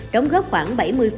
đóng góp khoảng bảy mươi